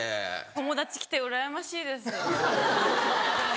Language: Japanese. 友達来てうらやましいですホントに。